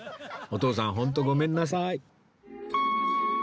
お父さんホントごめんなさい